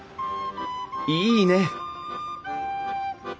いいね！